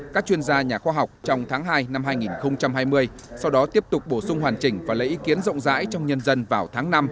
các chuyên gia nhà khoa học trong tháng hai năm hai nghìn hai mươi sau đó tiếp tục bổ sung hoàn chỉnh và lấy ý kiến rộng rãi trong nhân dân vào tháng năm